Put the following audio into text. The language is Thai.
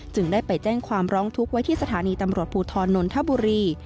ได้ไปแจ้งความร้องทุกข์ไว้ที่สถานีตำรวจภูทรนนทบุรี